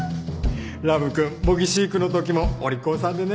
ラブくん模擬飼育の時もお利口さんでね。